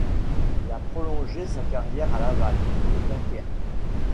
Il a prolongé sa carrière à Laval et Dunkerque.